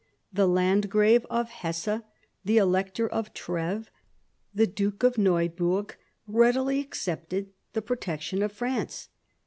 The Landgrave of Hesse, the Elector of Treves, the Duke of Neuburg, readily accepted the protection of France.